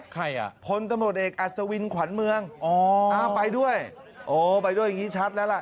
ใครอ่ะพลตำรวจเอกอัศวินขวัญเมืองอ๋ออ้าวไปด้วยโอ้ไปด้วยอย่างงี้ชัดแล้วล่ะ